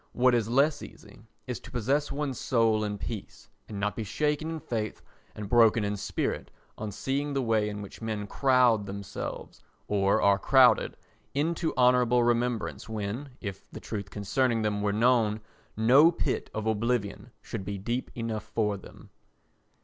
What is less easy is to possess one's soul in peace and not be shaken in faith and broken in spirit on seeing the way in which men crowd themselves, or are crowded, into honourable remembrance when, if the truth concerning them were known, no pit of oblivion should be deep enough for them.